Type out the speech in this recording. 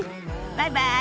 バイバイ。